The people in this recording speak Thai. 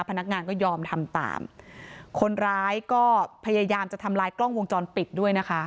พนักงานก็ยอมทำตามคนร้ายก็พยายามจะทำลายกล้องวงจรปิดด้วยนะคะ